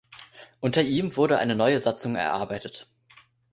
Unter ihm wurde eine neue Satzung erarbeitet.